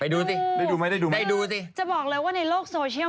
ได้ดูสิจะบอกเลยว่าในโลกโซเชียล